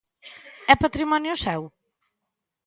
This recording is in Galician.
É patrimonio seu?